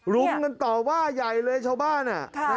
รุ้นกันต่อว่ายัยเลยชาวบ้าน